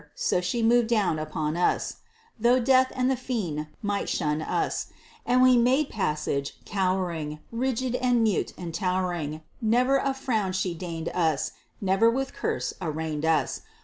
So she moved down upon us (Though Death and the Fiend might shun us), And we made passage, cowering. Rigid and mute and towering, Never a frown she deigned us, Never with curse arraigned us.